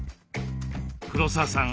黒沢さん